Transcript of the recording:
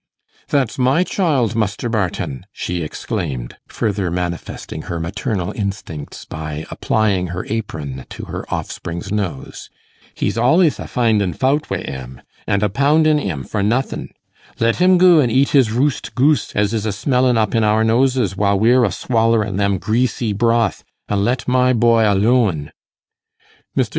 'That's my child, Muster Barton,' she exclaimed, further manifesting her maternal instincts by applying her apron to her offspring's nose. 'He's al'ys a findin' faut wi' him, and a poundin' him for nothin'. Let him goo an' eat his roost goose as is a smellin' up in our noses while we're a swallering them greasy broth, an' let my boy alooan.' Mr.